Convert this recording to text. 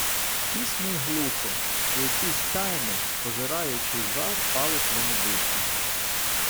Тісно й глухо, і якийсь тайний, пожираючий жар палить мені душу.